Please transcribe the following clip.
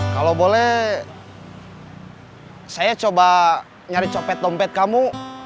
kalau boleh saya coba nyari copet dompet kamu